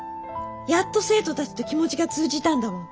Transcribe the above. やっと生徒たちと気持ちが通じたんだもん。